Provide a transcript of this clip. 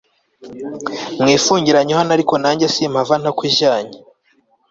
mwifungiranye hano ariko nanjye simpava ntakujyanye